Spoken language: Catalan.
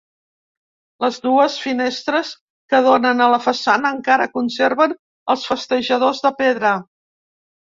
Les dues finestres que donen a la façana encara conserven els festejadors de pedra.